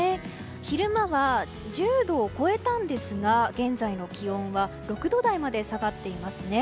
昼間は１０度を超えたんですが現在の気温は６度台まで下がっていますね。